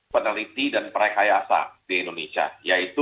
peneliti dan perekayasa di indonesia yaitu